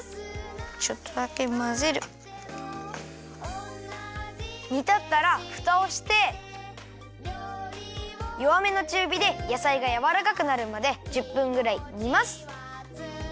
ちょっとだけまぜる。にたったらふたをしてよわめのちゅうびでやさいがやわらかくなるまで１０分ぐらいにます。